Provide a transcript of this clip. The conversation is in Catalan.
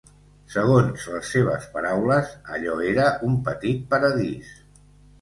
Segons les seves paraules, allò era un petit paradís.